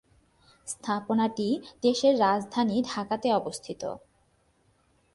স্থাপনাটি দেশের রাজধানী ঢাকাতে অবস্থিত।